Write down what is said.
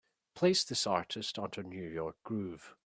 Place this artist onto new york groove.